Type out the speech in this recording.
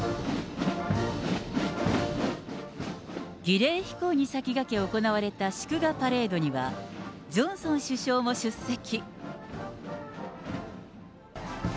儀礼飛行に先がけ行われた祝賀パレードには、ジョンソン首相も出席。